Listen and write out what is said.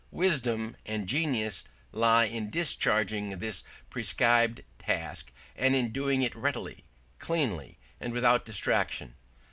Wisdom and genius lie in discerning this prescribed task and in doing it readily, cleanly, and without distraction.